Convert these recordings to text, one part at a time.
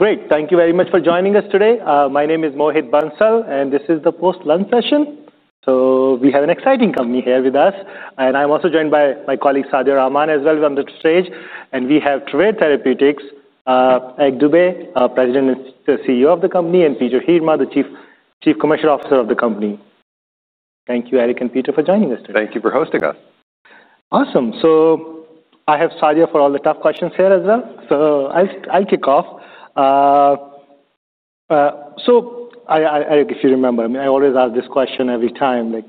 Great. Thank you very much for joining us today. My name is Mohit Bansal, and this is the post-lunch session. So we have an exciting company here with us. And I'm also joined by my colleague, Sadia Rahman, as well as on the stage. And we have Travere Therapeutics, Eric Dube, President and CEO of the company, and Peter Heerma, the Chief Commercial Officer of the company. Thank you, Eric and Peter, for joining us today. Thank you for hosting us. Awesome. So I have Sadia for all the tough questions here as well. So I'll kick off. So Eric, if you remember, I always ask this question every time, like,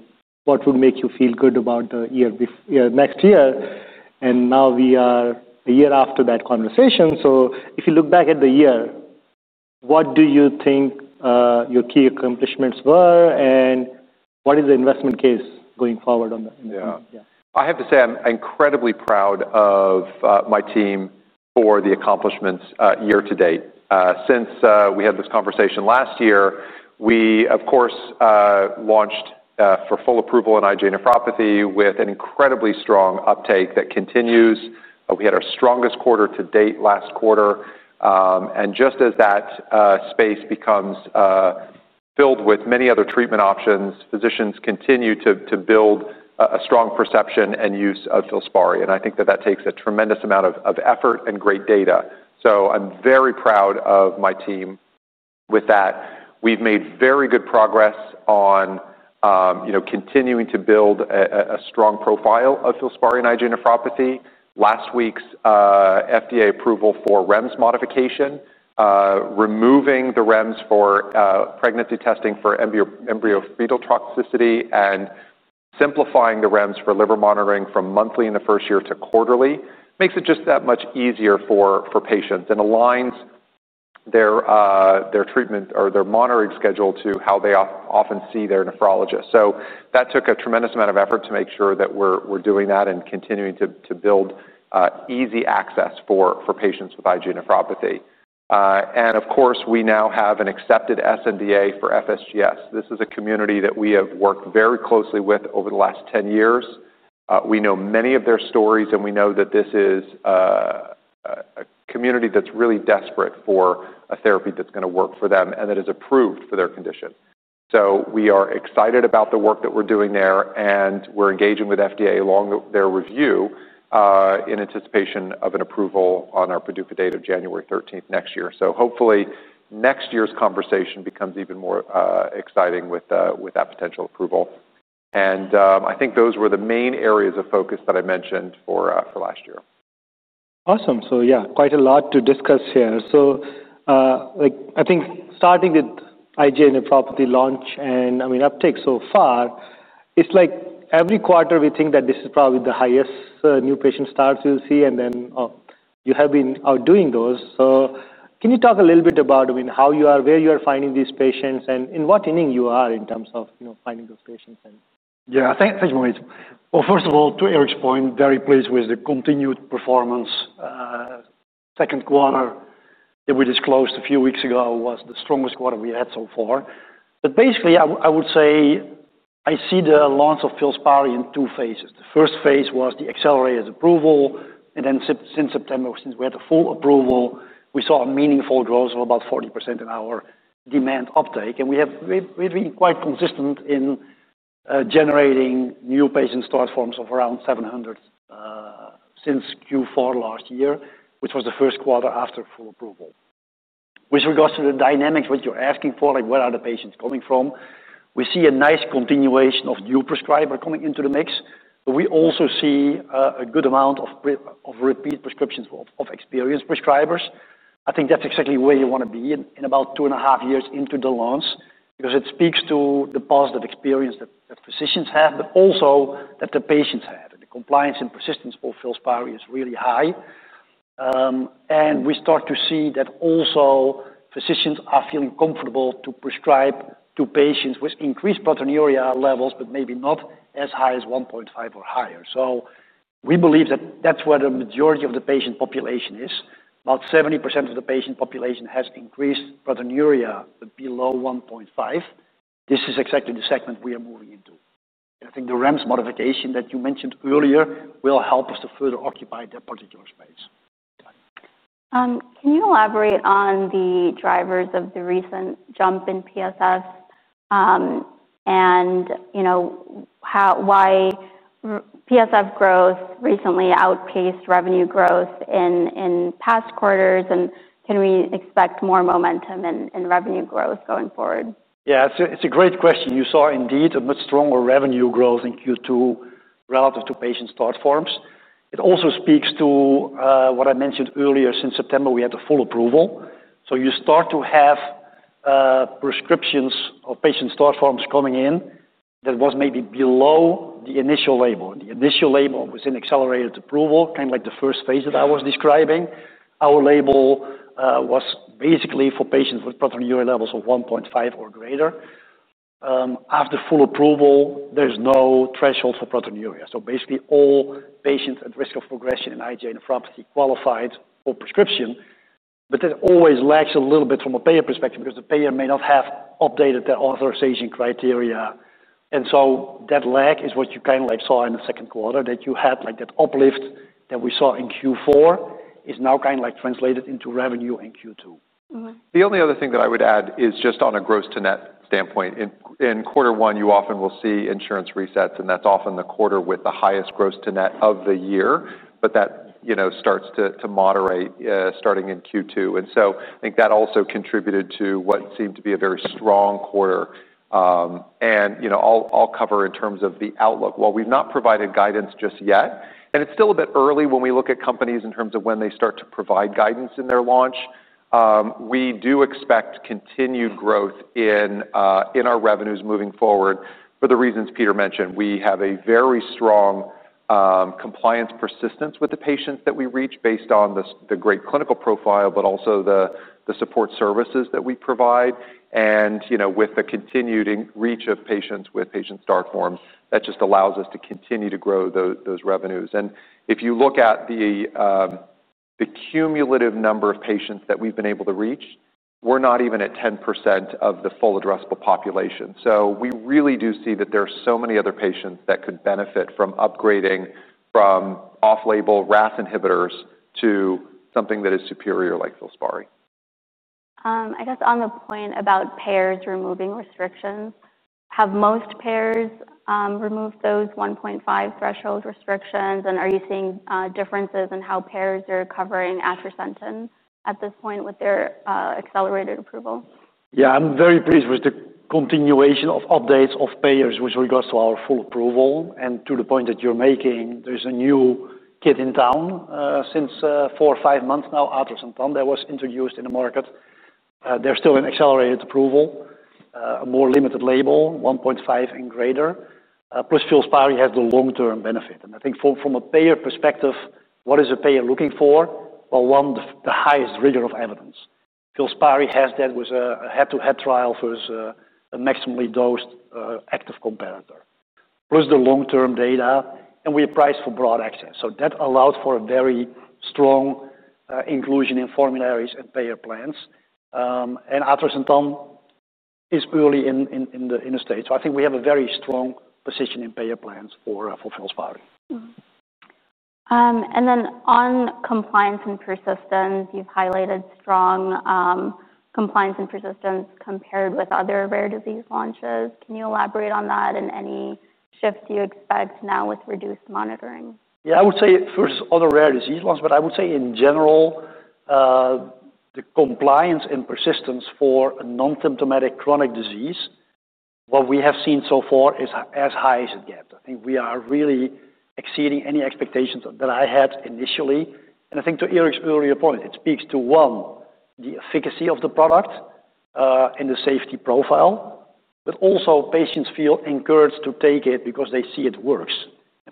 what would make you feel good about the year next year? And now we are a year after that conversation. So if you look back at the year, what do you think your key accomplishments were, and what is the investment case going forward on that? I have to say I'm incredibly proud of my team for the accomplishments year to date. Since we had this conversation last year, we, of course, launched for full approval in IgA nephropathy with an incredibly strong uptake that continues. We had our strongest quarter to date last quarter. Just as that space becomes filled with many other treatment options, physicians continue to build a strong perception and use of Filspari. I think that that takes a tremendous amount of effort and great data. I'm very proud of my team with that. We've made very good progress on continuing to build a strong profile of Filspari in IgA nephropathy. Last week's FDA approval for REMS modification, removing the REMS for pregnancy testing for embryo-fetal toxicity, and simplifying the REMS for liver monitoring from monthly in the first year to quarterly makes it just that much easier for patients and aligns their treatment or their monitoring schedule to how they often see their nephrologist. So that took a tremendous amount of effort to make sure that we're doing that and continuing to build easy access for patients with IgA nephropathy. And of course, we now have an accepted sNDA for FSGS. This is a community that we have worked very closely with over the last 10 years. We know many of their stories, and we know that this is a community that's really desperate for a therapy that's going to work for them and that is approved for their condition. So we are excited about the work that we're doing there, and we're engaging with FDA along their review in anticipation of an approval on our PDUFA date of January 13 next year. So hopefully, next year's conversation becomes even more exciting with that potential approval. And I think those were the main areas of focus that I mentioned for last year. Awesome. So yeah, quite a lot to discuss here. So I think starting with IgA nephropathy launch and, I mean, uptake so far, it's like every quarter we think that this is probably the highest new patient starts we'll see. And then you have been outdoing those. So can you talk a little bit about how you are finding these patients, where you are finding these patients, and in what inning you are in terms of finding those patients? Yeah, thanks, Mohit. First of all, to Eric's point, very pleased with the continued performance. Second quarter that we disclosed a few weeks ago was the strongest quarter we had so far. Basically, I would say I see the launch of Filspari in two phases. The first phase was the accelerated approval. Then since September, since we had the full approval, we saw a meaningful growth of about 40% in our demand uptake. We've been quite consistent in generating new patient start forms of around 700 since Q4 last year, which was the first quarter after full approval. With regards to the dynamics, what you're asking for, like where are the patients coming from, we see a nice continuation of new prescribers coming into the mix. We also see a good amount of repeat prescriptions of experienced prescribers. I think that's exactly where you want to be in about two and a half years into the launch because it speaks to the positive experience that physicians have, but also that the patients have. The compliance and persistence of Filspari is really high. And we start to see that also physicians are feeling comfortable to prescribe to patients with increased proteinuria levels, but maybe not as high as 1.5 or higher. So we believe that that's where the majority of the patient population is. About 70% of the patient population has increased proteinuria below 1.5. This is exactly the segment we are moving into. And I think the REMS modification that you mentioned earlier will help us to further occupy that particular space. Can you elaborate on the drivers of the recent jump in PSF and why PSF growth recently outpaced revenue growth in past quarters? And can we expect more momentum in revenue growth going forward? Yeah, it's a great question. You saw indeed a much stronger revenue growth in Q2 relative to patient start forms. It also speaks to what I mentioned earlier. Since September, we had the full approval. So you start to have prescriptions of patient start forms coming in that was maybe below the initial label. The initial label was in accelerated approval, kind of like the first phase that I was describing. Our label was basically for patients with proteinuria levels of 1.5 or greater. After full approval, there's no threshold for proteinuria. So basically, all patients at risk of progression in IgA nephropathy qualified for prescription, but that always lags a little bit from a payer perspective because the payer may not have updated their authorization criteria. And so that lag is what you kind of like saw in the second quarter, that you had like that uplift that we saw in Q4 is now kind of like translated into revenue in Q2. The only other thing that I would add is just on a gross-to-net standpoint. In quarter one, you often will see insurance resets, and that's often the quarter with the highest gross-to-net of the year. But that starts to moderate starting in Q2. And so I think that also contributed to what seemed to be a very strong quarter, and I'll cover in terms of the outlook, well, we've not provided guidance just yet, and it's still a bit early when we look at companies in terms of when they start to provide guidance in their launch. We do expect continued growth in our revenues moving forward for the reasons Peter mentioned. We have a very strong compliance persistence with the patients that we reach based on the great clinical profile, but also the support services that we provide. With the continued reach of patients with patient start forms, that just allows us to continue to grow those revenues. If you look at the cumulative number of patients that we've been able to reach, we're not even at 10% of the full addressable population. We really do see that there are so many other patients that could benefit from upgrading from off-label RAS inhibitors to something that is superior like Filspari. I guess on the point about payers removing restrictions, have most payers removed those 1.5 threshold restrictions? And are you seeing differences in how payers are covering attrition at this point with their accelerated approval? Yeah, I'm very pleased with the continuation of updates of payers with regards to our full approval. And to the point that you're making, there's a new kid in town since four or five months now, atrasentan, that was introduced in the market. They're still in accelerated approval, a more limited label, 1.5 and greater. Plus, Filspari has the long-term benefit. And I think from a payer perspective, what is a payer looking for? Well, one, the highest rigor of evidence. Filspari has that with a head-to-head trial for a maximally dosed active competitor, plus the long-term data. And we price for broad access. So that allowed for a very strong inclusion in formularies and payer plans. And atrasentan is early in the stage. So I think we have a very strong position in payer plans for Filspari. On compliance and persistence, you've highlighted strong compliance and persistence compared with other rare disease launches. Can you elaborate on that and any shift you expect now with reduced monitoring? Yeah, I would say for other rare disease launches, but I would say in general, the compliance and persistence for a non-symptomatic chronic disease, what we have seen so far is as high as it gets. I think we are really exceeding any expectations that I had initially. I think to Eric's earlier point, it speaks to, one, the efficacy of the product and the safety profile, but also patients feel encouraged to take it because they see it works.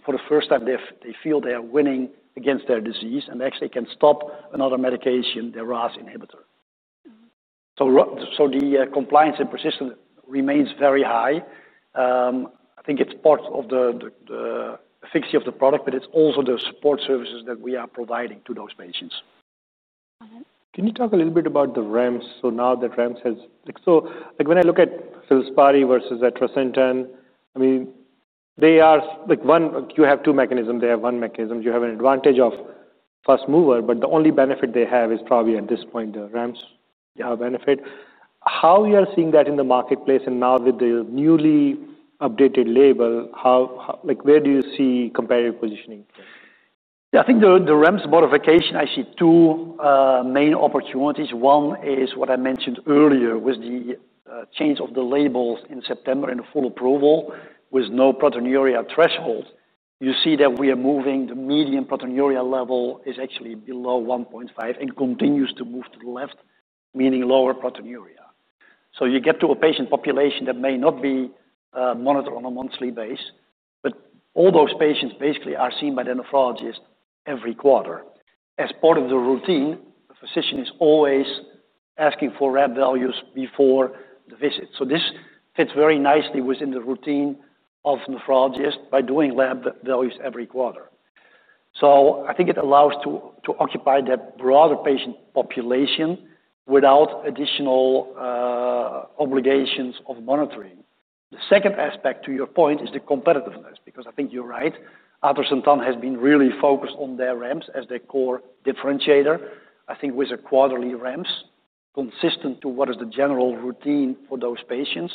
For the first time, they feel they are winning against their disease and actually can stop another medication, their RAS inhibitor. So the compliance and persistence remains very high. I think it's part of the efficacy of the product, but it's also the support services that we are providing to those patients. Can you talk a little bit about the REMS? So now that REMS has... So when I look at Filspari versus atrasentan, I mean, they are like... You have two mechanisms. They have one mechanism. You have an advantage of first mover, but the only benefit they have is probably at this point the REMS benefit. How you are seeing that in the marketplace and now with the newly updated label, where do you see comparative positioning? Yeah, I think the REMS modification. I see two main opportunities. One is what I mentioned earlier with the change of the labels in September and the full approval with no proteinuria threshold. You see that we are moving. The median proteinuria level is actually below 1.5 and continues to move to the left, meaning lower proteinuria. So you get to a patient population that may not be monitored on a monthly basis, but all those patients basically are seen by the nephrologist every quarter. As part of the routine, the physician is always asking for lab values before the visit. So this fits very nicely within the routine of nephrologist by doing lab values every quarter. So I think it allows to occupy that broader patient population without additional obligations of monitoring. The second aspect to your point is the competitiveness because I think you're right. Atrasentan has been really focused on their REMS as their core differentiator. I think with a quarterly REMS consistent to what is the general routine for those patients,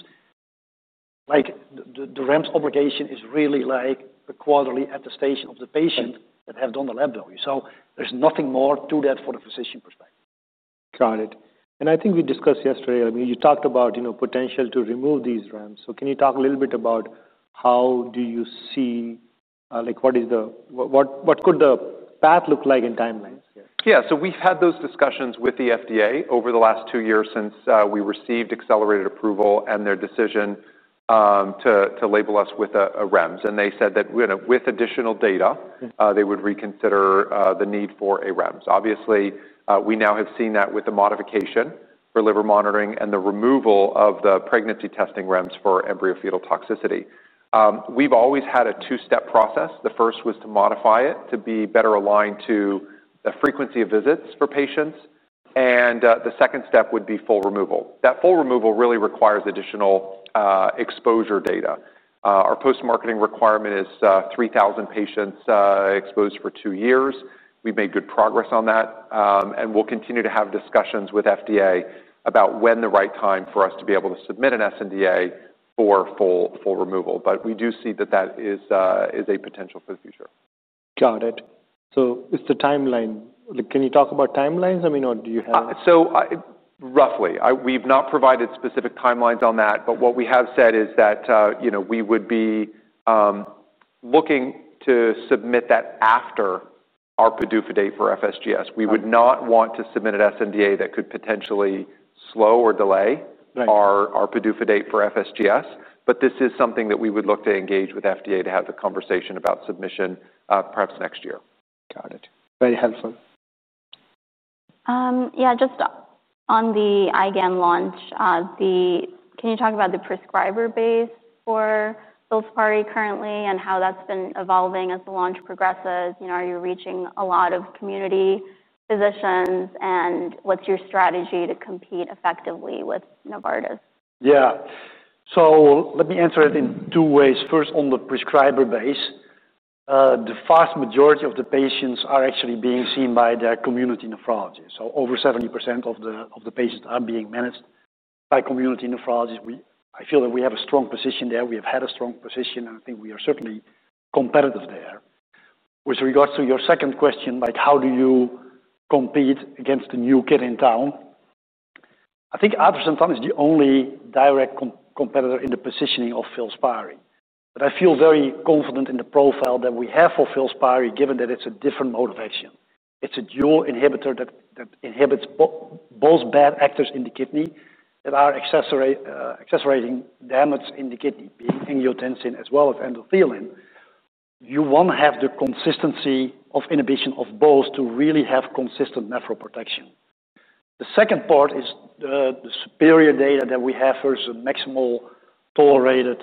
the REMS obligation is really like a quarterly attestation of the patient that has done the lab value. So there's nothing more to that from a physician perspective. Got it. And I think we discussed yesterday, I mean, you talked about potential to remove these REMS. So can you talk a little bit about how do you see what could the path look like in timelines? Yeah, so we've had those discussions with the FDA over the last two years since we received accelerated approval and their decision to label us with a REMS. And they said that with additional data, they would reconsider the need for a REMS. Obviously, we now have seen that with the modification for liver monitoring and the removal of the pregnancy testing REMS for embryo-fetal toxicity. We've always had a two-step process. The first was to modify it to be better aligned to the frequency of visits for patients. And the second step would be full removal. That full removal really requires additional exposure data. Our post-marketing requirement is 3,000 patients exposed for two years. We've made good progress on that. And we'll continue to have discussions with FDA about when the right time for us to be able to submit an sNDA for full removal. But we do see that that is a potential for the future. Got it. So it's the timeline. Can you talk about timelines? I mean, or do you have? Roughly, we've not provided specific timelines on that, but what we have said is that we would be looking to submit that after our PDUFA date for FSGS. We would not want to submit an sNDA that could potentially slow or delay our PDUFA date for FSGS. This is something that we would look to engage with the FDA to have the conversation about submission perhaps next year. Got it. Very helpful. Yeah, just on the IgAN launch, can you talk about the prescriber base for Filspari currently and how that's been evolving as the launch progresses? Are you reaching a lot of community physicians? And what's your strategy to compete effectively with Novartis? Yeah. So let me answer it in two ways. First, on the prescriber base, the vast majority of the patients are actually being seen by their community nephrologist. So over 70% of the patients are being managed by community nephrologist. I feel that we have a strong position there. We have had a strong position, and I think we are certainly competitive there. With regards to your second question, like how do you compete against the new kid in town? I think atrasentan is the only direct competitor in the positioning of Filspari. But I feel very confident in the profile that we have for Filspari, given that it's a different mode of action. It's a dual inhibitor that inhibits both bad actors in the kidney that are exacerbating damage in the kidney, being angiotensin as well as endothelin. You want to have the consistency of inhibition of both to really have consistent nephroprotection. The second part is the superior data that we have versus the maximal tolerated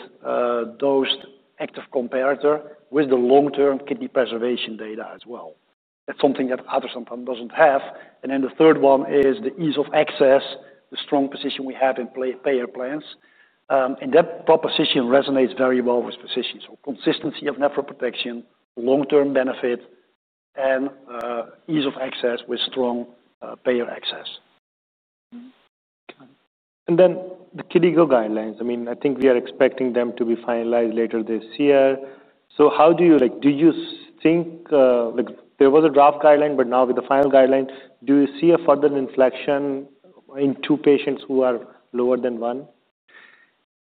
dosed active competitor with the long-term kidney preservation data as well. That's something that atrasentan doesn't have. Then the third one is the ease of access, the strong position we have in payer plans. That proposition resonates very well with physicians. Consistency of nephroprotection, long-term benefit, and ease of access with strong payer access. And then the clinical guidelines. I mean, I think we are expecting them to be finalized later this year. So how do you think there was a draft guideline, but now with the final guideline, do you see a further inflection in new patients who are lower than one?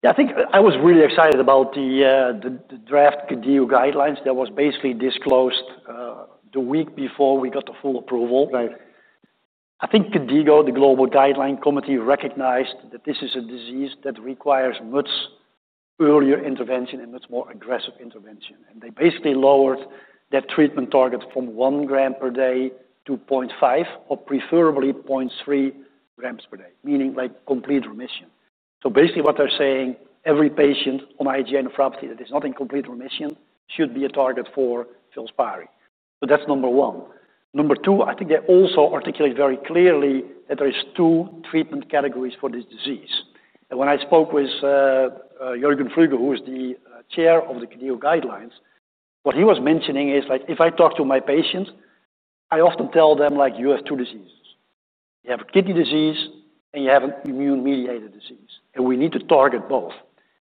Yeah, I think I was really excited about the draft KDIGO guidelines that was basically disclosed the week before we got the full approval. I think KDIGO, the Global Guideline Committee, recognized that this is a disease that requires much earlier intervention and much more aggressive intervention. And they basically lowered that treatment target from 1 gram per day to 0.5 or preferably 0.3 grams per day, meaning complete remission. So basically what they're saying, every patient on IgA nephropathy that is not in complete remission should be a target for Filspari. So that's number one. Number two, I think they also articulate very clearly that there are two treatment categories for this disease. And when I spoke with Jürgen Floege, who is the chair of the KDIGO guidelines, what he was mentioning is like if I talk to my patients, I often tell them like, "You have two diseases. You have a kidney disease, and you have an immune-mediated disease. And we need to target both."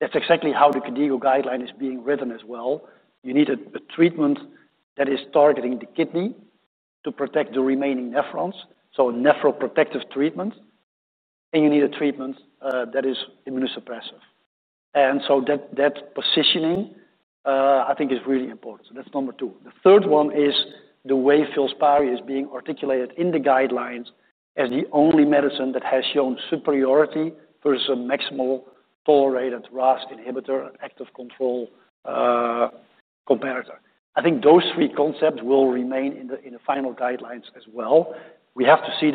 That's exactly how the KDIGO guideline is being written as well. You need a treatment that is targeting the kidney to protect the remaining nephrons, so a nephroprotective treatment, and you need a treatment that is immunosuppressive, and so that positioning, I think, is really important, so that's number two. The third one is the way Filspari is being articulated in the guidelines as the only medicine that has shown superiority versus a maximal tolerated RAS inhibitor and active control competitor. I think those three concepts will remain in the final guidelines as well. We have to see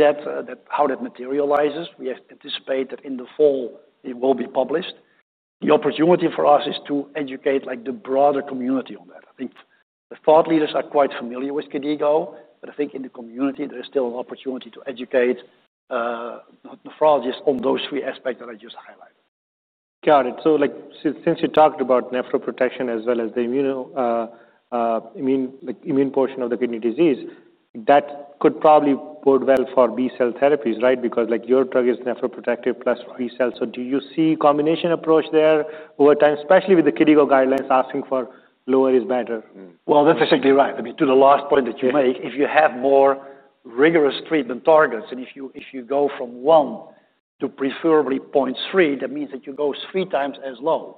how that materializes. We anticipate that in the fall, it will be published. The opportunity for us is to educate the broader community on that. I think the thought leaders are quite familiar with KDIGO, but I think in the community, there is still an opportunity to educate nephrologists on those three aspects that I just highlighted. Got it. So since you talked about nephroprotection as well as the immune portion of the kidney disease, that could probably bode well for B-cell therapies, right? Because your drug is nephroprotective plus B-cell. So do you see a combination approach there over time, especially with the KDIGO guidelines asking for lower is better? Well, that's exactly right. I mean, to the last point that you make, if you have more rigorous treatment targets, and if you go from one to preferably 0.3, that means that you go three times as low.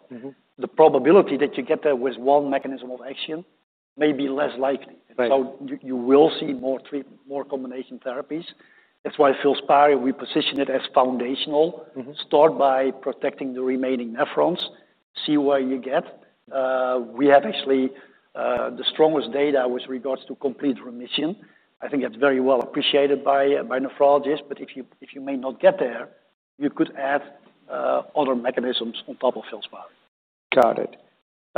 The probability that you get there with one mechanism of action may be less likely. So you will see more combination therapies. That's why Filspari, we position it as foundational, start by protecting the remaining nephrons, see where you get. We have actually the strongest data with regards to complete remission. I think that's very well appreciated by nephrologists. But if you may not get there, you could add other mechanisms on top of Filspari. Got it.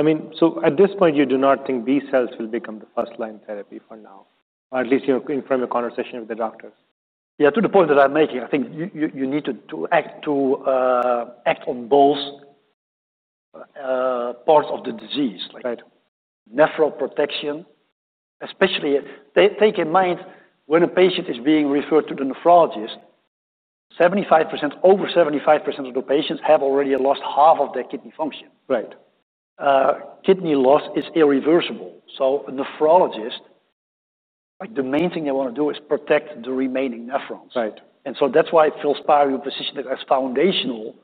I mean, so at this point, you do not think B-cells will become the first-line therapy for now, or at least from your conversation with the doctors? Yeah, to the point that I'm making, I think you need to act on both parts of the disease. Nephroprotection, especially keep in mind when a patient is being referred to the nephrologist, over 75% of the patients have already lost half of their kidney function. Kidney loss is irreversible, so a nephrologist, the main thing they want to do is protect the remaining nephrons, and so that's why Filspari was positioned as foundational.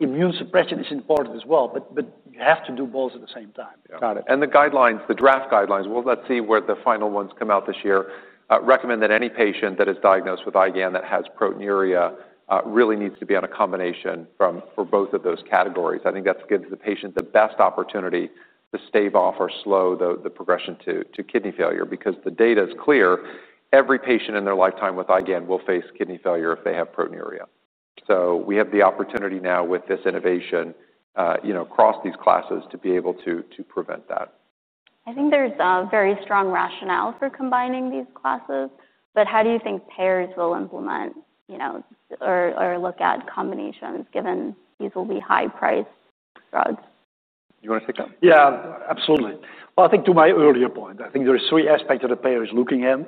Immune suppression is important as well, but you have to do both at the same time. Got it. And the draft guidelines, well, let's see where the final ones come out this year, recommend that any patient that is diagnosed with IgAN that has proteinuria really needs to be on a combination for both of those categories. I think that gives the patient the best opportunity to stave off or slow the progression to kidney failure because the data is clear. Every patient in their lifetime with IgAN will face kidney failure if they have proteinuria. So we have the opportunity now with this innovation across these classes to be able to prevent that. I think there's very strong rationale for combining these classes, but how do you think payers will implement or look at combinations given these will be high-priced drugs? You want to take that? Yeah, absolutely. Well, I think to my earlier point, I think there are three aspects that the payer is looking at.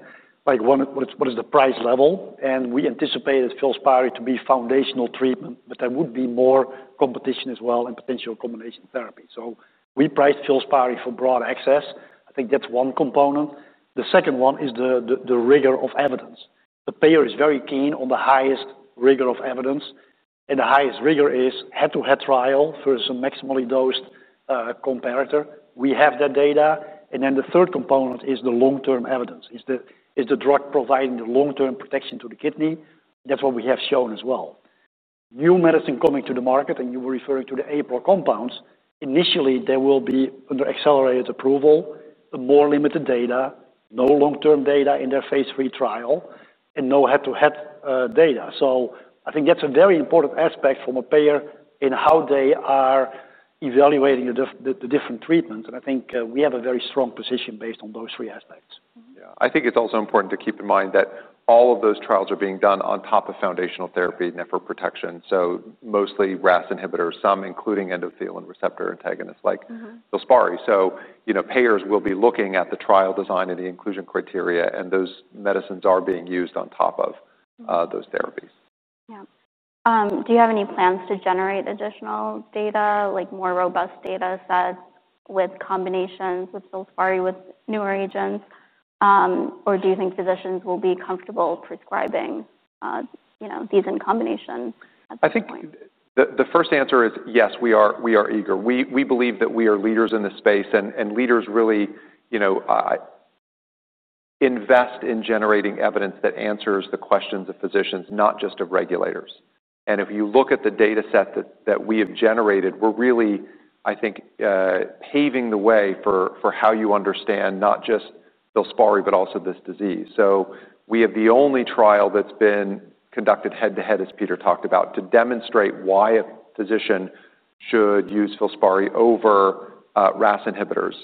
Like one, what is the price level? And we anticipated Filspari to be foundational treatment, but there would be more competition as well and potential combination therapy. So we priced Filspari for broad access. I think that's one component. The second one is the rigor of evidence. The payer is very keen on the highest rigor of evidence. And the highest rigor is head-to-head trial versus a maximally dosed competitor. We have that data. And then the third component is the long-term evidence. Is the drug providing the long-term protection to the kidney? That's what we have shown as well. New medicine coming to the market, and you were referring to the APRIL compounds. Initially there will be under accelerated approval, more limited data, no long-term data in their phase 3 trial, and no head-to-head data. So I think that's a very important aspect from a payer in how they are evaluating the different treatments. And I think we have a very strong position based on those three aspects. Yeah. I think it's also important to keep in mind that all of those trials are being done on top of foundational therapy and nephroprotection, so mostly RAS inhibitors, some including endothelin receptor antagonists like Filspari. So payers will be looking at the trial design and the inclusion criteria, and those medicines are being used on top of those therapies. Yeah. Do you have any plans to generate additional data, like more robust data sets with combinations with Filspari with newer agents? Or do you think physicians will be comfortable prescribing these in combination at this point? I think the first answer is yes, we are eager. We believe that we are leaders in this space. Leaders really invest in generating evidence that answers the questions of physicians, not just of regulators. If you look at the data set that we have generated, we're really, I think, paving the way for how you understand not just Filspari, but also this disease. We have the only trial that's been conducted head-to-head, as Peter talked about, to demonstrate why a physician should use Filspari over RAS inhibitors.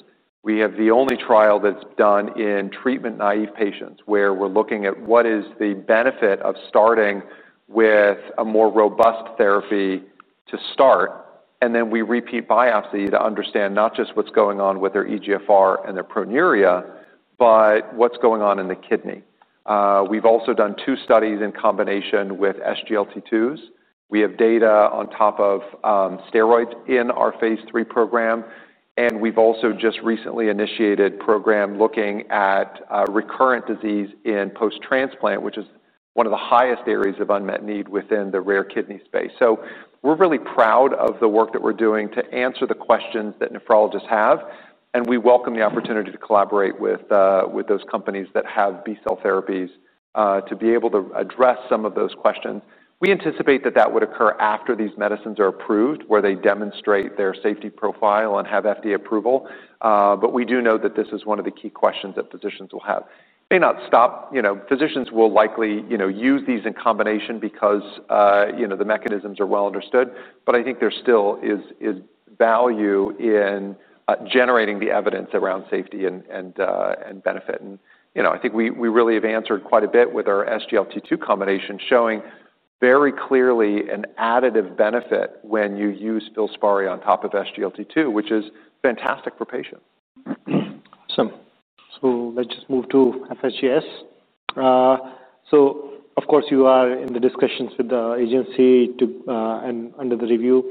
We have the only trial that's done in treatment-naive patients where we're looking at what is the benefit of starting with a more robust therapy to start, and then we repeat biopsy to understand not just what's going on with their eGFR and their proteinuria, but what's going on in the kidney. We've also done two studies in combination with SGLT2s. We have data on top of steroids in our phase three program. And we've also just recently initiated a program looking at recurrent disease in post-transplant, which is one of the highest areas of unmet need within the rare kidney space. So we're really proud of the work that we're doing to answer the questions that nephrologists have. And we welcome the opportunity to collaborate with those companies that have B-cell therapies to be able to address some of those questions. We anticipate that that would occur after these medicines are approved, where they demonstrate their safety profile and have FDA approval. But we do know that this is one of the key questions that physicians will have. It may not stop. Physicians will likely use these in combination because the mechanisms are well understood. But I think there still is value in generating the evidence around safety and benefit. And I think we really have answered quite a bit with our SGLT2 combination showing very clearly an additive benefit when you use Filspari on top of SGLT2, which is fantastic for patients. Awesome. So let's just move to FSGS. So of course, you are in the discussions with the agency and under the review.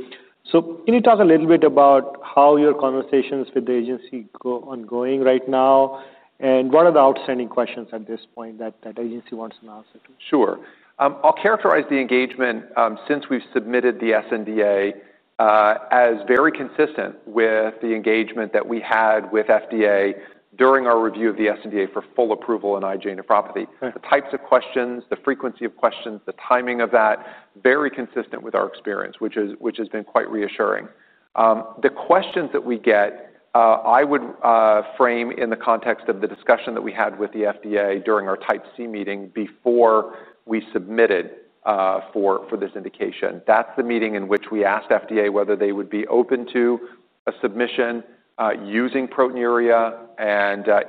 So can you talk a little bit about how your conversations with the agency are going right now? And what are the outstanding questions at this point that the agency wants an answer to? Sure. I'll characterize the engagement since we've submitted the sNDA as very consistent with the engagement that we had with FDA during our review of the sNDA for full approval in IgA nephropathy. The types of questions, the frequency of questions, the timing of that, very consistent with our experience, which has been quite reassuring. The questions that we get, I would frame in the context of the discussion that we had with the FDA during our Type C meeting before we submitted for this indication. That's the meeting in which we asked FDA whether they would be open to a submission using proteinuria.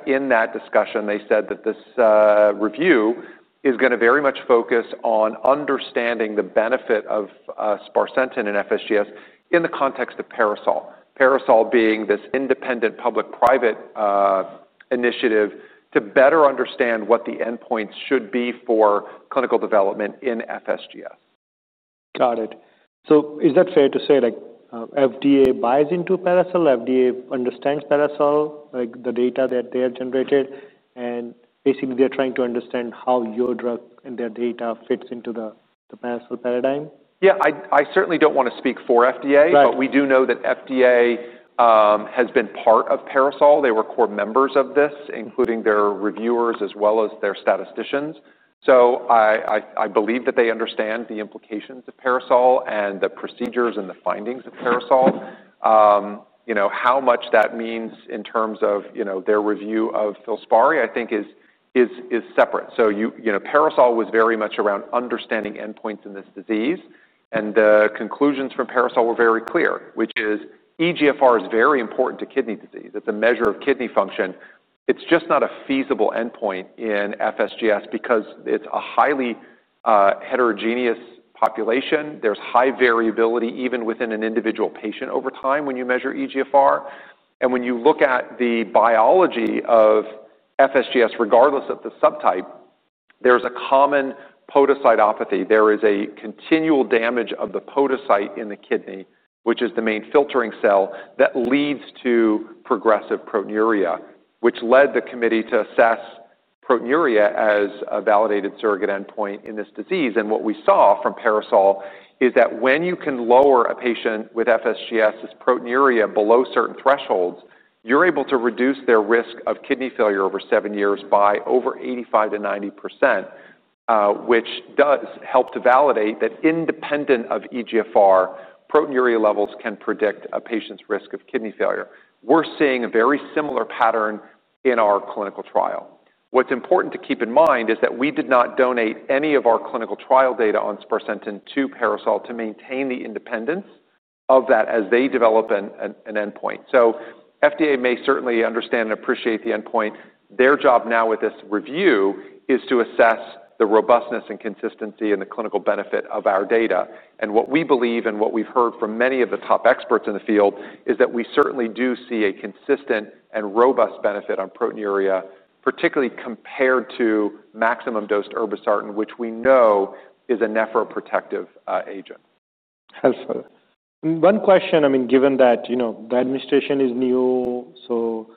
In that discussion, they said that this review is going to very much focus on understanding the benefit of sparsentan and FSGS in the context of PARASOL, PARASOL being this independent public-private initiative to better understand what the endpoints should be for clinical development in FSGS. Got it. So is that fair to say FDA buys into PARASOL? FDA understands PARASOL, the data that they have generated? And basically, they're trying to understand how your drug and their data fits into the PARASOL paradigm? Yeah. I certainly don't want to speak for FDA, but we do know that FDA has been part of PARASOL. They were core members of this, including their reviewers as well as their statisticians. So I believe that they understand the implications of PARASOL and the procedures and the findings of PARASOL. How much that means in terms of their review of Filspari, I think, is separate. So PARASOL was very much around understanding endpoints in this disease. The conclusions from PARASOL were very clear, which is eGFR is very important to kidney disease. It's a measure of kidney function. It's just not a feasible endpoint in FSGS because it's a highly heterogeneous population. There's high variability even within an individual patient over time when you measure eGFR. When you look at the biology of FSGS, regardless of the subtype, there's a common podocytopathy. There is a continual damage of the podocyte in the kidney, which is the main filtering cell that leads to progressive proteinuria, which led the committee to assess proteinuria as a validated surrogate endpoint in this disease, and what we saw from PARASOL is that when you can lower a patient with FSGS's proteinuria below certain thresholds, you're able to reduce their risk of kidney failure over seven years by over 85%-90%, which does help to validate that independent of eGFR, proteinuria levels can predict a patient's risk of kidney failure. We're seeing a very similar pattern in our clinical trial. What's important to keep in mind is that we did not donate any of our clinical trial data on sparsentan to PARASOL to maintain the independence of that as they develop an endpoint, so FDA may certainly understand and appreciate the endpoint. Their job now with this review is to assess the robustness and consistency and the clinical benefit of our data, and what we believe and what we've heard from many of the top experts in the field is that we certainly do see a consistent and robust benefit on proteinuria, particularly compared to maximum dosed irbesartan, which we know is a nephroprotective agent. Helpful. One question, I mean, given that the administration is new, so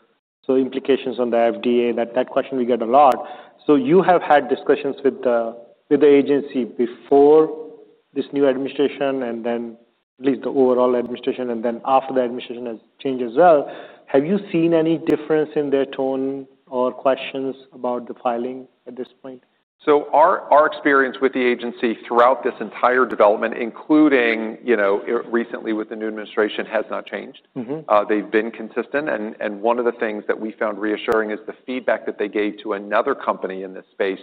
implications on the FDA, that question we get a lot. So you have had discussions with the agency before this new administration and then at least the overall administration, and then after the administration has changed as well. Have you seen any difference in their tone or questions about the filing at this point? Our experience with the agency throughout this entire development, including recently with the new administration, has not changed. They've been consistent. And one of the things that we found reassuring is the feedback that they gave to another company in this space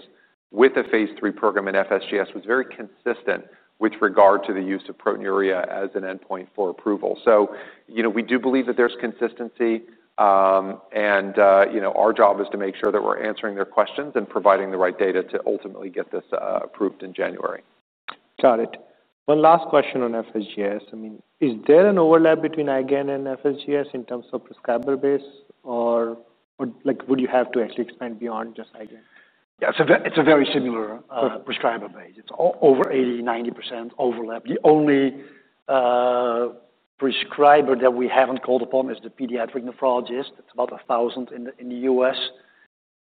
with a phase III program in FSGS was very consistent with regard to the use of proteinuria as an endpoint for approval. So we do believe that there's consistency. And our job is to make sure that we're answering their questions and providing the right data to ultimately get this approved in January. Got it. One last question on FSGS. I mean, is there an overlap between IGAN and FSGS in terms of prescriber base, or would you have to actually expand beyond just IGAN? Yeah, it's a very similar prescriber base. It's over 80%-90% overlap. The only prescriber that we haven't called upon is the pediatric nephrologist. It's about 1,000 in the U.S.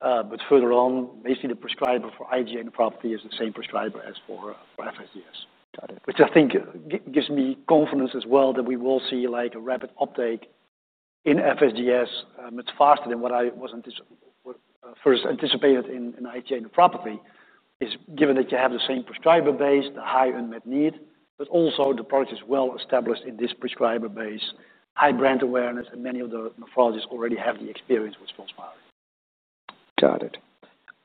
But further on, basically the prescriber for IgA nephropathy is the same prescriber as for FSGS, which I think gives me confidence as well that we will see a rapid uptake in FSGS much faster than what I first anticipated in IgA nephropathy, given that you have the same prescriber base, the high unmet need, but also the product is well established in this prescriber base, high brand awareness, and many of the nephrologists already have the experience with Filspari. Got it.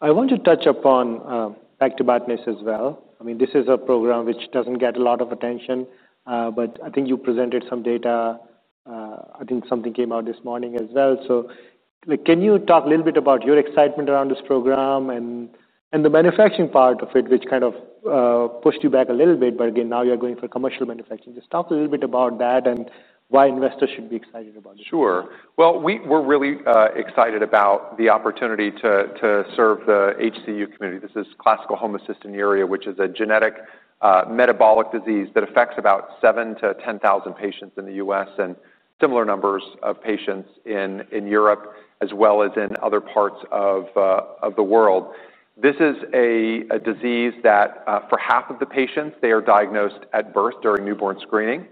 I want to touch upon pegtibatinase as well. I mean, this is a program which doesn't get a lot of attention, but I think you presented some data. I think something came out this morning as well. So can you talk a little bit about your excitement around this program and the manufacturing part of it, which kind of pushed you back a little bit, but again, now you're going for commercial manufacturing? Just talk a little bit about that and why investors should be excited about it. Sure. Well, we're really excited about the opportunity to serve the HCU community. This is classical homocystinuria, which is a genetic metabolic disease that affects about 7,000 to 10,000 patients in the U.S. and similar numbers of patients in Europe as well as in other parts of the world. This is a disease that for half of the patients, they are diagnosed at birth during newborn screening.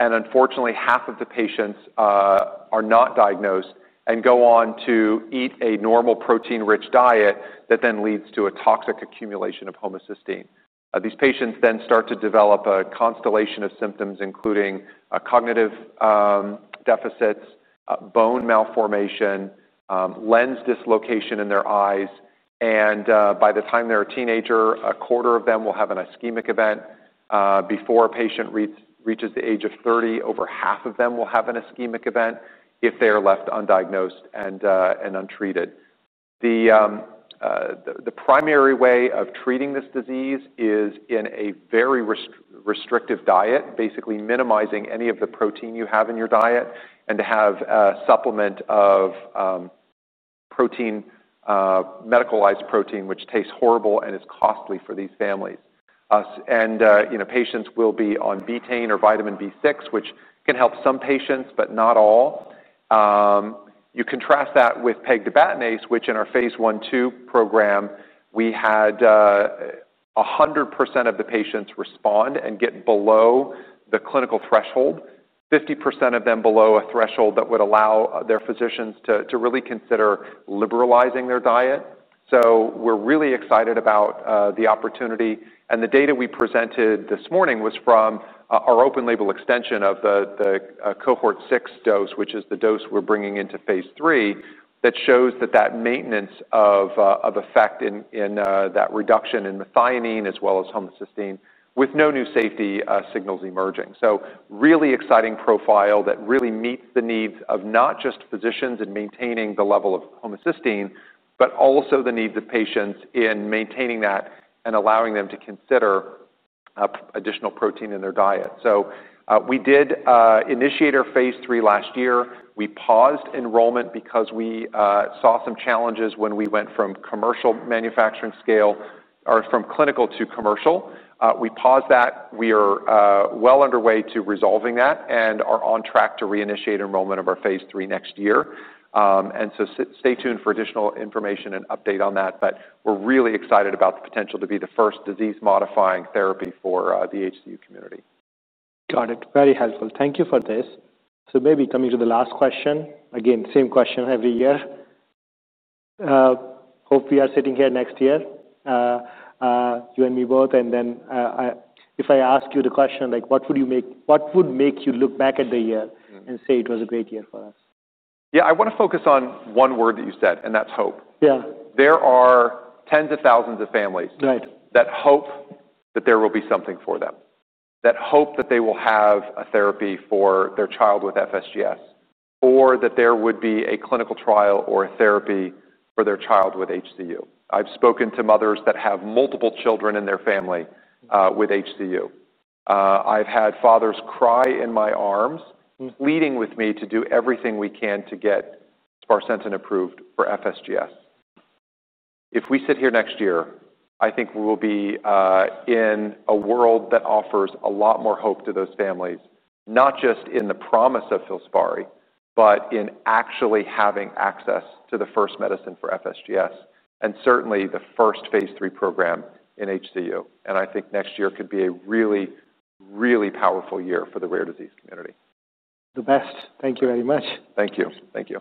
And unfortunately, half of the patients are not diagnosed and go on to eat a normal protein-rich diet that then leads to a toxic accumulation of homocysteine. These patients then start to develop a constellation of symptoms, including cognitive deficits, bone malformation, lens dislocation in their eyes. And by the time they're a teenager, a quarter of them will have an ischemic event. Before a patient reaches the age of 30, over half of them will have an ischemic event if they are left undiagnosed and untreated. The primary way of treating this disease is in a very restrictive diet, basically minimizing any of the protein you have in your diet and to have a supplement of medicalized protein, which tastes horrible and is costly for these families. Patients will be on betaine or vitamin B6, which can help some patients, but not all. You contrast that with pegtibatinase, which in our phase 1, 2 program, we had 100% of the patients respond and get below the clinical threshold, 50% of them below a threshold that would allow their physicians to really consider liberalizing their diet. We're really excited about the opportunity. And the data we presented this morning was from our open-label extension of the cohort 6 dose, which is the dose we're bringing into phase III. That shows that maintenance of effect in that reduction in methionine as well as homocysteine with no new safety signals emerging. So really exciting profile that really meets the needs of not just physicians in maintaining the level of homocysteine, but also the needs of patients in maintaining that and allowing them to consider additional protein in their diet. So we did initiate our phase III last year. We paused enrollment because we saw some challenges when we went from commercial manufacturing scale or from clinical to commercial. We paused that. We are well underway to resolving that and are on track to reinitiate enrollment of our phase III next year. And so stay tuned for additional information and update on that. But we're really excited about the potential to be the first disease-modifying therapy for the HCU community. Got it. Very helpful. Thank you for this. So maybe coming to the last question, again, same question every year. Hope we are sitting here next year, you and me both. And then if I ask you the question, what would make you look back at the year and say it was a great year for us? Yeah, I want to focus on one word that you said, and that's hope. There are tens of thousands of families that hope that there will be something for them, that hope that they will have a therapy for their child with FSGS, or that there would be a clinical trial or a therapy for their child with HCU. I've spoken to mothers that have multiple children in their family with HCU. I've had fathers cry in my arms, pleading with me to do everything we can to get sparsentan approved for FSGS. If we sit here next year, I think we will be in a world that offers a lot more hope to those families, not just in the promise of Filspari, but in actually having access to the first medicine for FSGS and certainly the first phase III program in HCU. I think next year could be a really, really powerful year for the rare disease community. The best. Thank you very much. Thank you. Thank you.